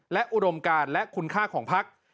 และอุดมการและคุณค่าของพัก